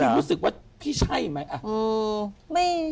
รู้สึกว่าพี่ใช่ไหม